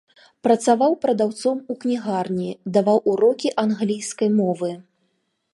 Працаваў прадаўцом у кнігарні, даваў урокі англійскай мовы.